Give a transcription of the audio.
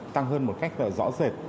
tăng hơn một cách là rõ rệt